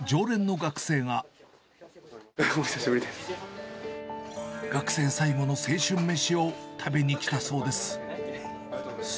学生最後の青春飯を食べに来たそうです。